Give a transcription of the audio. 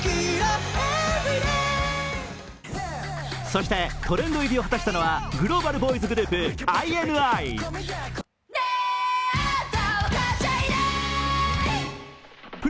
そして、トレンド入りを果たしたのはグローバルボーイズグループ、ＩＮＩ。